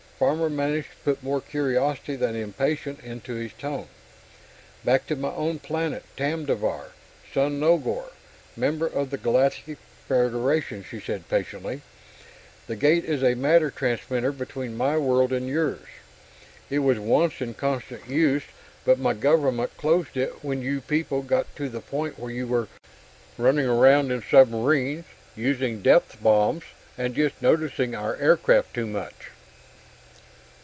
Farmer managed to put more curiosity than impatience into his tone. "Back to my own planet Tamdivar, sun Nogore, member of the Galactic Federation," she said patiently. "The gate is a matter transmitter between my world and yours. It was once in constant use, but my government closed it when you people got to the point where you were running around in submarines, using depth bombs, and just noticing our aircraft too much."